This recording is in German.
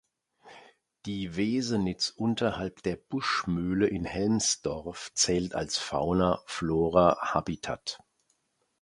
Die Wesenitz unterhalb der "Buschmühle" in Helmsdorf zählt als Fauna-Flora-Habitat.